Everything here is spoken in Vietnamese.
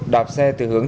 đạp xe từ hướng